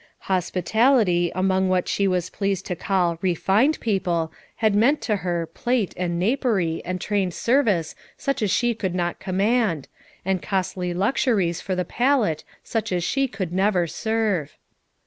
Hospitality among what she was pleased to call "refined" people had meant to her, plate, and napery and trained service such as she could not command, and costly luxuries for the palate such as she could never serve.